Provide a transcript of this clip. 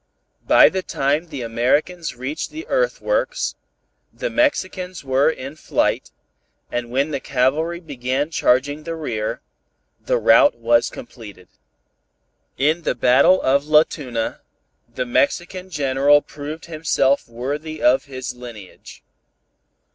By the time the Americans reached the earthworks, the Mexicans were in flight, and when the cavalry began charging the rear, the rout was completed. In the battle of La Tuna, General Benevides proved himself worthy of his lineage.